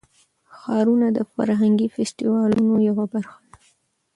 ښارونه د فرهنګي فستیوالونو یوه برخه ده.